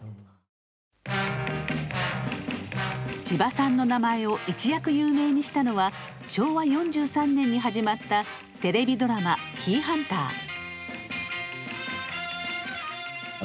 千葉さんの名前を一躍有名にしたのは昭和４３年に始まったテレビドラマ「キイハンター」。